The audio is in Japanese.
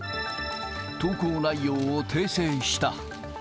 投稿内容を訂正した。